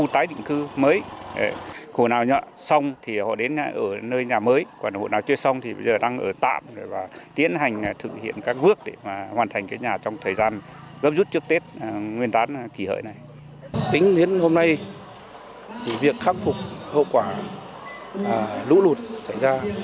tính đến hôm nay việc khắc phục hậu quả lũ lụt xảy ra